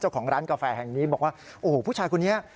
เจ้าของร้านกาแฟแห่งนี้บอกว่าโอ้โหผู้ชายคนนี้